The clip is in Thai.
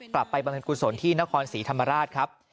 กลับไปบังเกิดกุศลที่นครศรีธรรมราชครับ